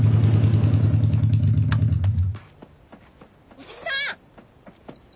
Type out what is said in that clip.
・おじさん！